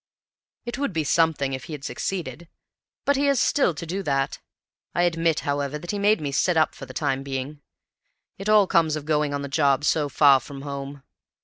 "It would be something if he had succeeded; but he has still to do that. I admit, however, that he made me sit up for the time being. It all comes of going on the job so far from home.